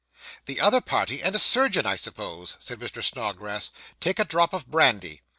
'The other party, and a surgeon, I suppose,' said Mr. Snodgrass; 'take a drop of brandy.